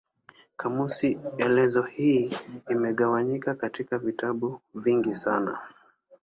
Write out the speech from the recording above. Kamusi elezo hii imegawanyika katika vitabu vingi sana.